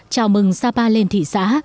chào mừng sapa lên thị xã